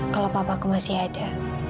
kalau papa aku masih ada